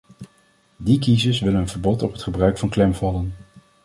Die kiezers willen een verbod op het gebruik van klemvallen.